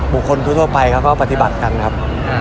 บุคคลทุกไปก็ก็ปฎิบัติกันนะครับ